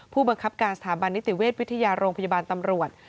ผู้บังคับการสถาบันนิติเวชวิทยาโรงพยาบาลตำรวจ